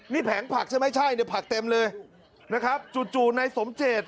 นี่แผงผักใช่ไหมใช่ผักเต็มเลยนะครับจู่ในสมเจศ